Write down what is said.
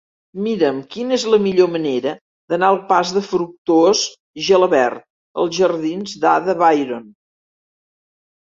Mira'm quina és la millor manera d'anar del pas de Fructuós Gelabert als jardins d'Ada Byron.